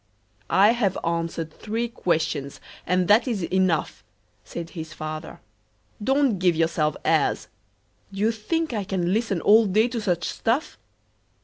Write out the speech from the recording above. "I have answered three questions, and that is enough," Said his father. "Don't give yourself airs! Do you think I can listen all day to such stuff?